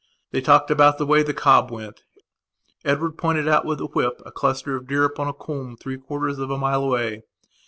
They talked about the way the cob went; Edward pointed out with the whip a cluster of deer upon a coombe three quarters of a mile away.